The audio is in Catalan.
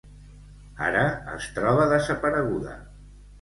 Ara es troba desapareguda.